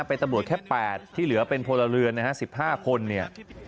เป็นตำรวจแค่๘ที่เหลือเป็นพลเรือนนะฮะ๑๕คนเนี่ย